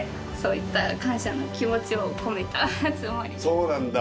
そうなんだ。